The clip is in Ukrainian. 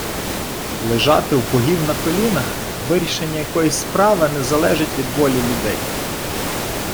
Лежати в богів на колінах - вирішення якоїсь справи не залежить від волі людей